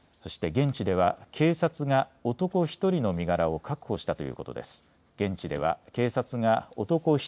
現地では警察が男１人の身柄を確保したということです。